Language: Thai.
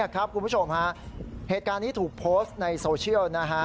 คุณผู้ชมฮะเหตุการณ์นี้ถูกโพสต์ในโซเชียลนะฮะ